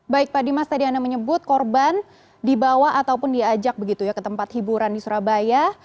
baik pak dimas tadi anda menyebut korban dibawa ataupun diajak begitu ya ke tempat hiburan di surabaya